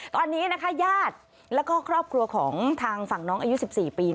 ตอนนี้นะคะญาติแล้วก็ครอบครัวของทางฝั่งน้องอายุ๑๔ปี